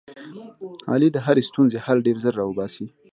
علي د هرې ستونزې حل ډېر زر را اوباسي.